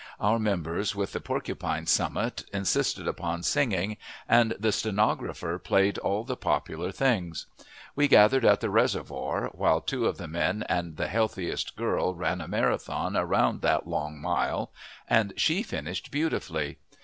Our member with the porcupine summit insisted upon singing, and the stenographer played all the popular things. We gathered at the reservoir, while two of the men and the healthiest girl ran a marathon around that long mile, and she finished beautifully.